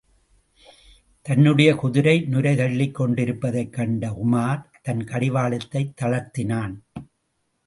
தன்னுடைய குதிரை நுரை தள்ளிக் கொண்டிருப்பதைக் கண்ட உமார் தன் கடிவாளத்தைத் தளர்த்தினான்.